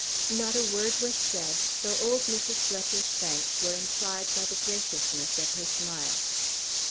Not a word was said, though old Mrs. Fletcher's thanks were implied by the graciousness of her smile.